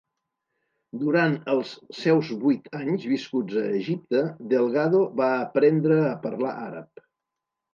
Durant els seus vuit anys viscuts a Egipte, Delgado va aprendre a parlar àrab.